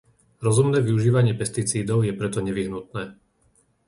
Rozumné využívanie pesticídov je preto nevyhnutné.